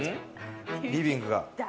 リビングが。